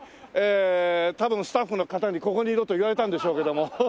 多分スタッフの方にここにいろと言われたんでしょうけども。